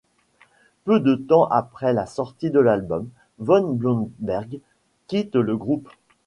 Peu de temps après la sortie de l'album, Von Blomberg quitte le groupe.